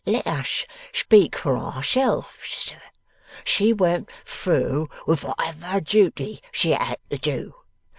'Let us speak for ourselves, sir. She went through with whatever duty she had to do.